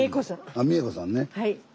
あ三枝子さんね。